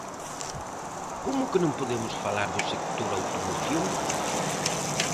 ¿Como que non podemos falar do sector automoción?